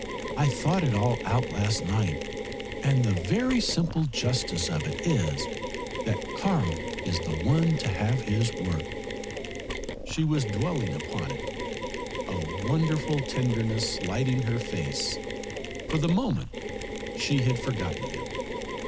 I thought it all out last night, and the very simple justice of it is that Karl is the one to have his work." She was dwelling upon it, a wonderful tenderness lighting her face; for the minute she had forgotten him.